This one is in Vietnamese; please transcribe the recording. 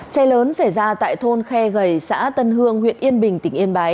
cháy lớn xảy ra tại thôn khe gầy xã tân hương huyện yên bình tỉnh yên bái